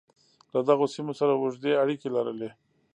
له دغو سیمو سره اوږدې اړیکې لرلې.